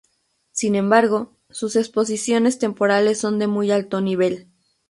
Sin embargo, sus exposiciones temporales son de muy alto nivel.